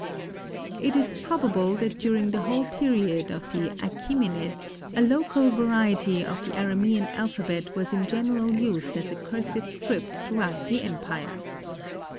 It is probable that during the whole period of the Achæmenids a local variety of the Aramean alphabet was in general use as a cursive script throughout the empire.